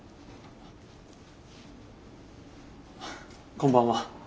こんばんは。